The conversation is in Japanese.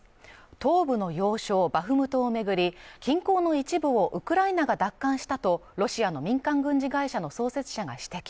東部の要衝バフムトを巡り、近郊の一部をウクライナが奪還したとロシアの民間軍事会社の創設者が指摘